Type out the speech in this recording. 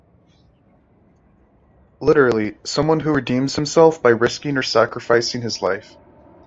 Literally, someone who redeems himself by risking or sacrificing his life.